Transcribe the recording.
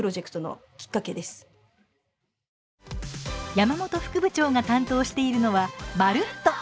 山本副部長が担当しているのは「まるっと！」。